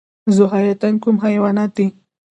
ذوحیاتین کوم حیوانات دي؟